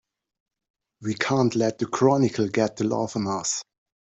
We can't let the Chronicle get the laugh on us!